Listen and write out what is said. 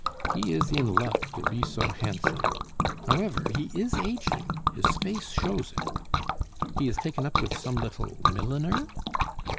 He is in luck to be so handsome! However, he is ageing; his face shows it. He has taken up with some little milliner?"